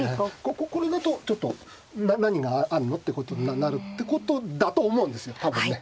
これだとちょっと「何があんの？」ってことになるってことだと思うんですよ多分ね。